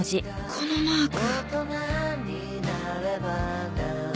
このマーク。